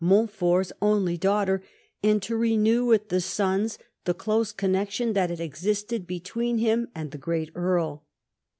Montfort's only daughter, and to renew with the sons the close connection that had existed between him and the great Earl.